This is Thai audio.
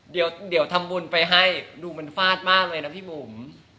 เดี๋ยวทำบุญไปให้ดูมันฟาดมากเลยนะพี่บุ๋ม